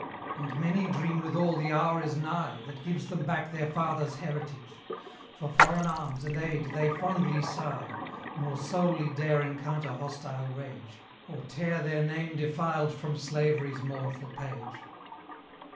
And many dream withal the hour is nigh That gives them back their fathers' heritage: For foreign arms and aid they fondly sigh, Nor solely dare encounter hostile rage, Or tear their name defiled from Slavery's mournful page.